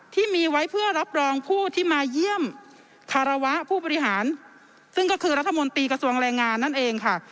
ที่มีไว้เพื่อรับรองผู้ที่มาเยี่ยมคารวะผู้บริหารซึ่งก็คือรัฐมนตรีกระทรวงแรงงานนั่นเองค่ะ